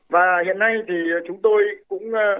và hiện nay thì chúng tôi cũng